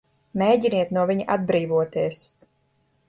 Mēģiniet no viņa atbrīvoties!